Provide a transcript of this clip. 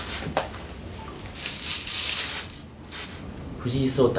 藤井聡太